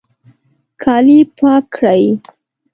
کالي پاک کړئ